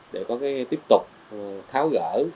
để có tiếp tục tháo gỡ